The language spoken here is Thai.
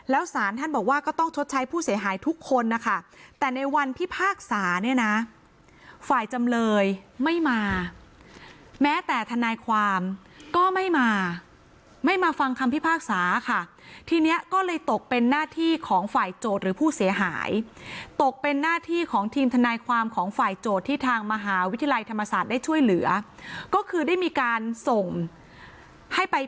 แล้วสารท่านบอกว่าก็ต้องชดใช้ผู้เสียหายทุกคนนะคะแต่ในวันพิพากษาเนี่ยนะฝ่ายจำเลยไม่มาแม้แต่ทนายความก็ไม่มาไม่มาฟังคำพิพากษาค่ะทีนี้ก็เลยตกเป็นหน้าที่ของฝ่ายโจทย์หรือผู้เสียหายตกเป็นหน้าที่ของทีมทนายความของฝ่ายโจทย์ที่ทางมหาวิทยาลัยธรรมศาสตร์ได้ช่วยเหลือก็คือได้มีการส่งให้ไป